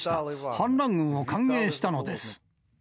反乱軍を歓迎したのです。